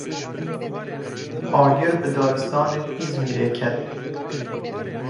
Agir bi daristanên Îzmîrê ket.